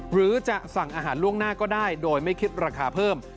หรือจะสั่งอาหารล่วงหน้าก็ได้โดยไม่คิดราคาเพิ่ม